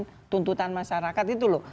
tuntutan masyarakat itu loh